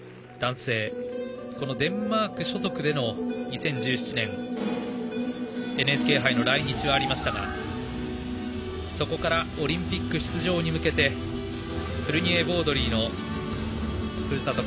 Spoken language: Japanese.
このデンマーク所属での２０１７年ＮＨＫ杯の来日はありましたがそこからオリンピック出場に向けてフルニエボードリーのふるさと